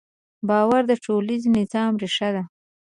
باور د ټولنیز نظم ریښه ده.